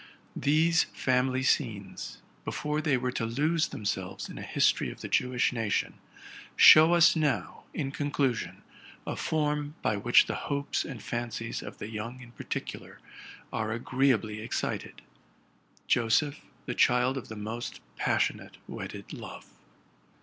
These family scenes, before they were to lose themselves in a history of the Jewish nation, show us now, in conclu sion, a form by which the hopes and fancies of the young in 116 TRUTH AND FICTION particular are agreeably excited, — Joseph, the child of the most passionate wedded love.